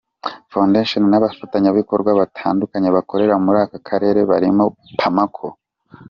Foundation n’abafatanyabikorwa batandukanye bakorera muri aka karere barimo Pamaco